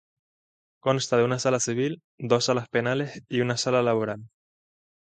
Consta de una Sala Civil, dos Salas Penales y una Sala Laboral.